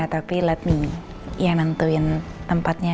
tapi let me ya nantuin tempatnya